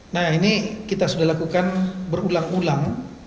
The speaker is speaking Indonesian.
nah ini kita sudah lakukan berulang ulang